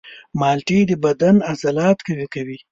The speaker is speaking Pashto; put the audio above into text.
مالټې د بدن عضلات قوي کوي.